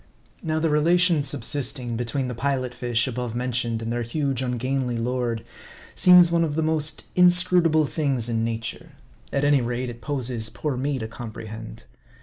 Now the relation subsisting between the Pilot fish above mentioned and their huge ungainly lord, seems one of the most inscrutable things in nature. At any rate, it poses poor me to comprehend.